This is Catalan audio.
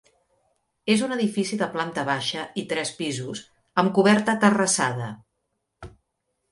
És un edifici de planta baixa i tres pisos amb coberta terrassada.